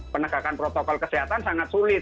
penegakan protokol kesehatan sangat sulit